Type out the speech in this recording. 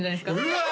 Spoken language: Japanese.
うわ！